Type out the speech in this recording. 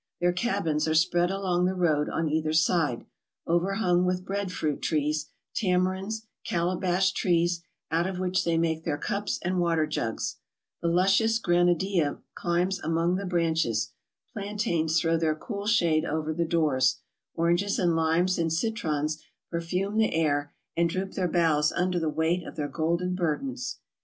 Their cabins are spread along the road on either side, overhung with bread fruit trees, tamarinds, calabash trees, out of which they make their cups and water jugs ; the luscious granadilla climbs among the branches ; plantains throw their cool shade over the doors ; oranges and limes and citrons per fume the air, and droop their boughs under the weight of their golden burdens.